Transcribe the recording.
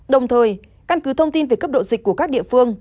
đồng thời căn cứ thông tin về cấp độ dịch của các địa phương